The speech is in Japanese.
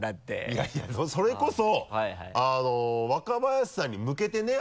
いやいやそれこそ若林さんに向けてねぇ？